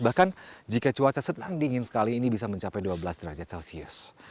bahkan jika cuaca sedang dingin sekali ini bisa mencapai dua belas derajat celcius